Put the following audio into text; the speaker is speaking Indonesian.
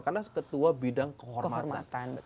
karena seketua bidang kehormatan